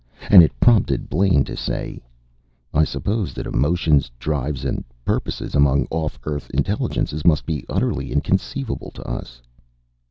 And it prompted Blaine to say: "I suppose that emotions, drives, and purposes among off Earth intelligences must be utterly inconceivable to us."